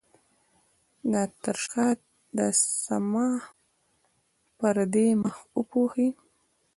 دا ترشحات د صماخ پردې مخ وپوښي.